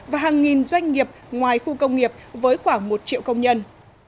và hàng nghìn doanh nghiệp ngoài khu công nghiệp với khoảng một triệu công nhân